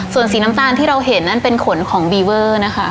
ส่วนสีน้ำตาลที่เราเห็นนั่นเป็นขนของบีเวอร์นะคะ